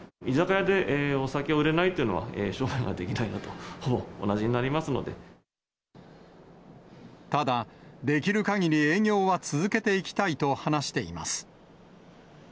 居酒屋でお酒を売れないというのは、商売ができないのとほぼ同じただ、できるかぎり営業は続けていきたいと話しています。